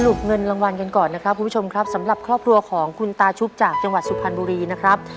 เงินรางวัลกันก่อนนะครับคุณผู้ชมครับสำหรับครอบครัวของคุณตาชุบจากจังหวัดสุพรรณบุรีนะครับ